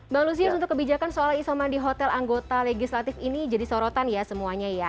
bang lusius untuk kebijakan soal isoman di hotel anggota legislatif ini jadi sorotan ya semuanya ya